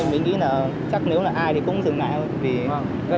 mình nghĩ là chắc nếu là ai thì cũng dừng lại thôi